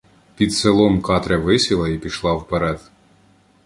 Під селом Катря висіла і пішла вперед.